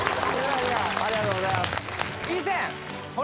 ありがとうございます